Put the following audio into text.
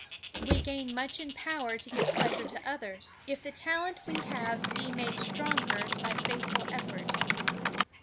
We gain much in power to give pleasure to others, if the talent we have be made stronger by faithful effort.